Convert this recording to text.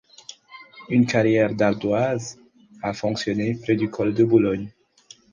Une carrière d’ardoises a fonctionné près du Col de Boulogne.